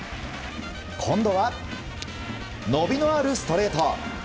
今度は伸びのあるストレート。